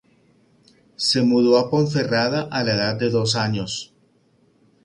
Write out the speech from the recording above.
Se mudó a Ponferrada a la edad de dos años.